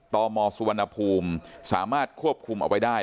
ตมสุวรรณภูมิสามารถควบคุมเอาไว้ได้